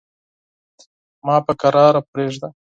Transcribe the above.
ما په کراره پرېږده.